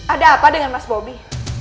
ada apa dengan mas bobi